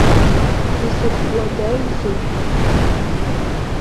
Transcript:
Изакә уадаҩузеи.